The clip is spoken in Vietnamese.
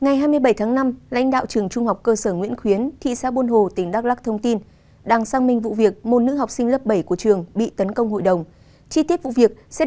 các bạn hãy đăng ký kênh để ủng hộ kênh của chúng mình nhé